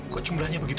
kok jumlahnya begitu